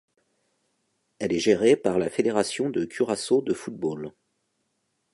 Elle est gérée par la Fédération de Curaçao de football.